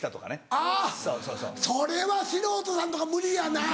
あぁそれは素人さんとか無理やな。